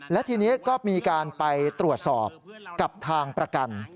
และทีนี้ก็มีการไปตรวจสอบกับทางประกัน